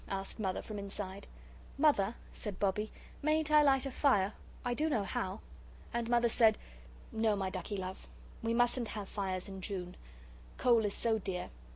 asked Mother from inside. "Mother," said Bobbie, "mayn't I light a fire? I do know how." And Mother said: "No, my ducky love. We mustn't have fires in June coal is so dear.